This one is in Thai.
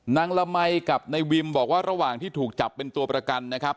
ละมัยกับนายวิมบอกว่าระหว่างที่ถูกจับเป็นตัวประกันนะครับ